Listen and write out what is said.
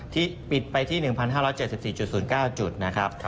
ที่ปิดไปที่๑๕๗๔๐๙จุดนะครับ